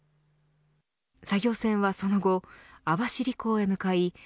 作業船はその後、網走港へ向かいＫＡＺＵ